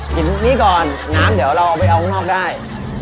กินนี่ก่อนน้ำเดี๋ยวเราเอาไปเอาข้างนอกได้